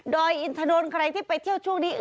อยอินถนนใครที่ไปเที่ยวช่วงนี้